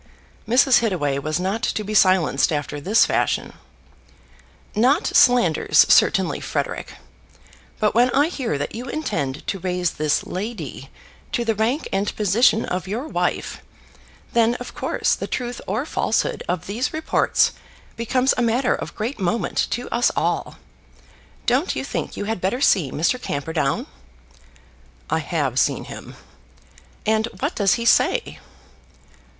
Mrs. Hittaway was not to be silenced after this fashion. "Not slanders, certainly, Frederic. But when I hear that you intend to raise this lady to the rank and position of your wife, then of course the truth or falsehood of these reports becomes a matter of great moment to us all. Don't you think you had better see Mr. Camperdown?" "I have seen him." "And what does he say?"